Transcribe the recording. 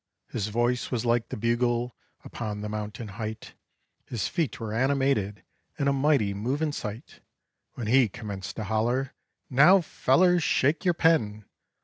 His voice was like the bugle upon the mountain height; His feet were animated, and a mighty movin' sight, When he commenced to holler, "Now fellers, shake your pen!